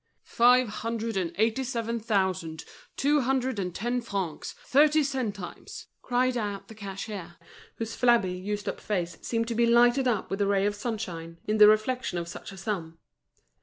"Five hundred and eighty seven thousand two hundred and ten francs thirty centimes!" cried out the cashier, whose flabby, used up face seemed to be lighted up with a ray of sunshine, in the reflection of such a sum.